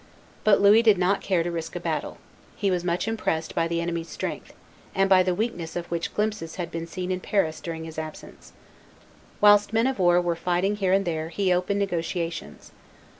But Louis did not care to risk a battle. He was much impressed by the enemy's strength, and by the weakness of which glimpses had been seen in Paris during his absence. Whilst his men of war were fighting here and there, he opened negotiations.